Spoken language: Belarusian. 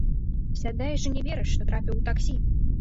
Сядаеш і не верыш, што трапіў у таксі!